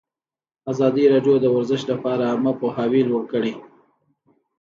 ازادي راډیو د ورزش لپاره عامه پوهاوي لوړ کړی.